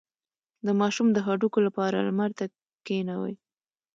د ماشوم د هډوکو لپاره لمر ته کینوئ